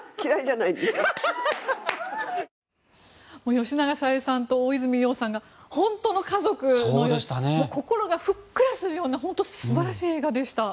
吉永小百合さんと大泉洋さんが本当の家族のよう心がふっくらするような本当、素晴らしい映画でした。